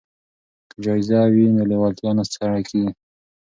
که جایزه وي نو لیوالتیا نه سړه کیږي.